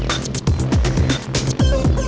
wah keren banget